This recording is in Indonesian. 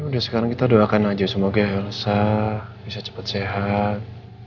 udah sekarang kita doakan aja semoga resah bisa cepat sehat